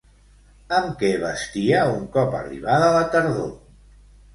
Amb què vestia un cop arribada la tardor?